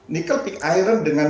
nikel pick iron dengan